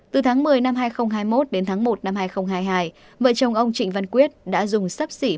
từ tháng một mươi năm hai nghìn hai mươi một đến tháng một năm hai nghìn hai mươi hai vợ chồng ông trịnh văn quyết đã dùng sấp xỉ